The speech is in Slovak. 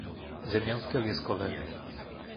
Zemianske Lieskové